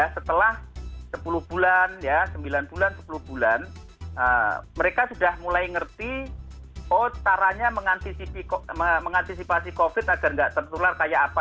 setelah sepuluh bulan ya sembilan bulan sepuluh bulan mereka sudah mulai ngerti oh caranya mengantisipasi covid agar nggak tertular kayak apa